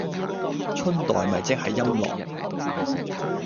春袋咪即係陰嚢